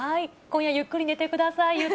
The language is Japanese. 今夜ゆっくり寝てください。